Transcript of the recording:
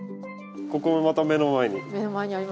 ここもまた目の前に。